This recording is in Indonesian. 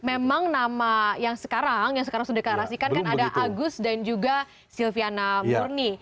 memang nama yang sekarang sudah dikarasikan kan ada agus dan juga silviana murni